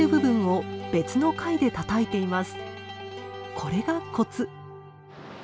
これがコツ。